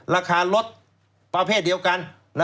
ราคารถประเภทเดียวกัน